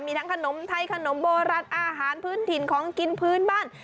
มีทั้งขนมไทยขนมโบราณอาหารพื้นถิ่นของกินพื้นบ้าน